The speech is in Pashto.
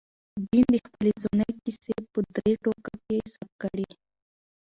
جین د خپلې ځوانۍ کیسې په درې ټوکه کې ثبت کړې.